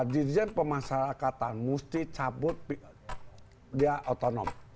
dirjen pemasarakatan mesti cabut dia otonom